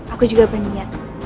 aku juga berniat